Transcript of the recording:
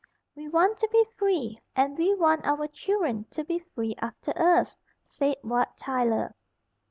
"We want to be free, and we want our children to be free after us," said Wat Tyler.